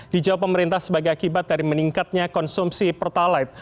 dijawab pemerintah sebagai akibat dari meningkatnya konsumsi pertalite